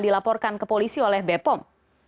dilaporkan ke polisi oleh bepom